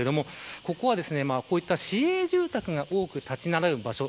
ここは、こういった市営住宅が多く立ち並ぶ場所。